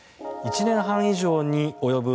１年半以上に及ぶ